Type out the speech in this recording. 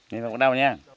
ngày nào có đau nhé